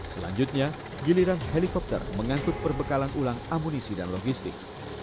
selanjutnya giliran helikopter mengangkut perbekalan ulang amunisi dan logistik